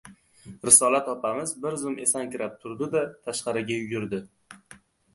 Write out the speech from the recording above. Risolat opamiz bir zum esankirab turdi-da, tashqariga yugurdi.